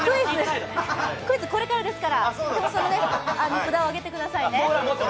クイズこれからですから、札を上げてくださいね。